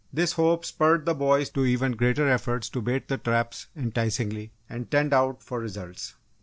This hope spurred the boys to even greater efforts to bait the traps enticingly, and "tend out" for results.